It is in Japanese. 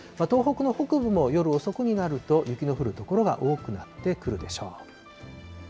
東北の北部も夜遅くになると、雪の降る所が多くなってくるでしょう。